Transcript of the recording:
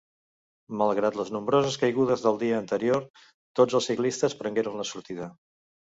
Malgrat les nombroses caigudes del dia anterior, tots els ciclistes prengueren la sortida.